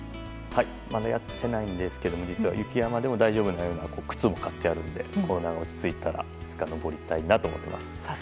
やってないんですけども雪山でも大丈夫なような靴も買ってあるのでコロナが落ち着いたらいつか登りたいなと思ってます。